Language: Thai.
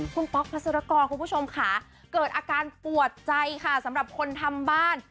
คุณป๊อกพัสรกรคุณผู้ชมค่ะเกิดอาการปวดใจค่ะสำหรับคนทำบ้าน